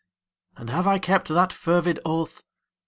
And have I kept that fervid oath?